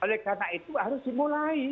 oleh karena itu harus dimulai